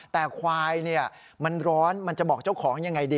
แต่ควายมันร้อนมันจะบอกเจ้าของยังไงดี